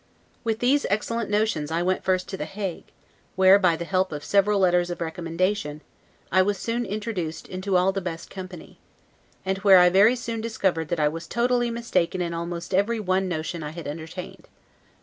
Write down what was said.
With these excellent notions I went first to The Hague, where, by the help of several letters of recommendation, I was soon introduced into all the best company; and where I very soon discovered that I was totally mistaken in almost every one notion I had entertained.